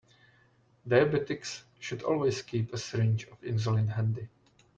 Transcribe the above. Diabetics should always keep a syringe of insulin handy.